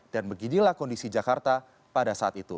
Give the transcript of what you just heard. dan beginilah kondisi jakarta pada saat itu